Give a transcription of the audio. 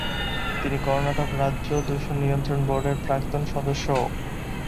তিনি কর্ণাটক রাজ্য দূষণ নিয়ন্ত্রণ বোর্ডের প্রাক্তন সদস্যও।